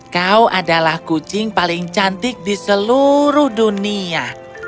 kau adalah kucing paling cantik di seluruh dunia